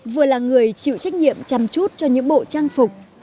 vừa là người chịu trách nhiệm chăm chút cho những bộ trang phục đạo cụ của trò chơi